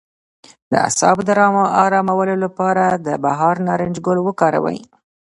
د اعصابو ارامولو لپاره د بهار نارنج ګل وکاروئ